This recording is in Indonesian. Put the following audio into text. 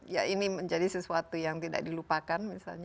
ya ini menjadi sesuatu yang tidak dilupakan misalnya